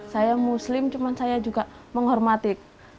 saya muslim cuma saya juga menghormati